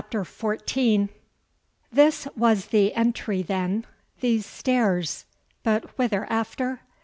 ] CHAPTER XIV. This was the entry then, these stairs but whither after?